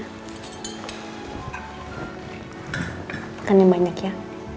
pekannya banyak ya